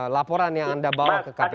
laporan yang anda bawa ke kpk